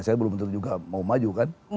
saya benar benar juga mau maju kan